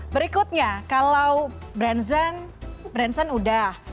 berikutnya kalau branson branson udah